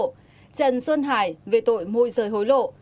trần xuân hải về tội môi rời hối lộ